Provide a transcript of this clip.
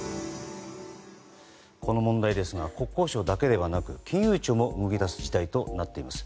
この問題ですが国交省だけではなく金融庁も動き出す事態となっています。